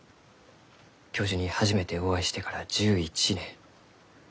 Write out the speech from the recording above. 教授に初めてお会いしてから１１年。